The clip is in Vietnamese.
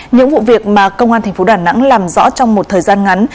những vụ việc mà công an thành phố đà nẵng làm rõ trong một thời gian ngắn